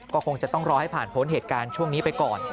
ก็คงจะต้องรอให้ผ่านพ้นเหตุการณ์ช่วงนี้ไปก่อน